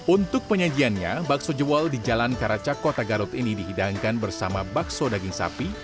untuk penyajiannya bakso jewol di jalan karaca kota garut ini dihidangkan bersama bakso daging sapi